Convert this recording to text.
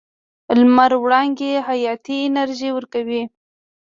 لمر وړانګې حیاتي انرژي ورکوي.